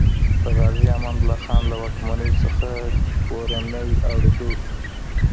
د غازي امان الله خان له واکمنۍ نه کورنی اړو دوړ شو.